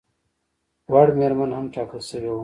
وړ مېرمنه هم ټاکل شوې وه.